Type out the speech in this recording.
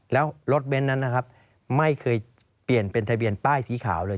แล้วรถเบ้นนั้นนะครับไม่เคยเปลี่ยนเป็นทะเบียนป้ายสีขาวเลย